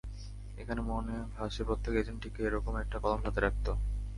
এখনো মনে ভাসে, প্রত্যেক এজেন্ট ঠিক এরকম একটা কলম সাথে রাখতো।